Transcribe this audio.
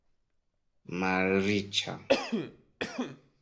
malriĉa